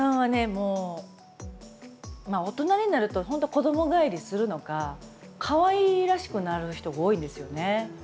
もうまあ大人になると本当子供返りするのかかわいらしくなる人が多いんですよね。